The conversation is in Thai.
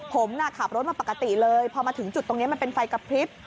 ผมขับรถมาปกติเลยพอมาถึงจุดตรงนี้มันเป็นไฟกระพริบ